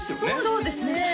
そうですね